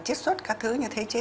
chiết xuất các thứ như thế chế